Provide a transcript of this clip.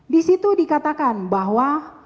disitu dikatakan bahwa